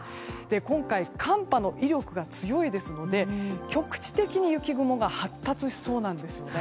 今回、寒波の威力が強いですので局地的に雪雲が発達しそうなんですよね。